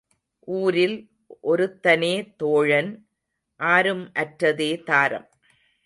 ஊரில் ஒருத்தனே தோழன் ஆரும் அற்றதே தாரம்.